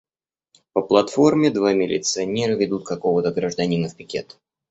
По платформе два милиционера ведут какого-то гражданина в пикет.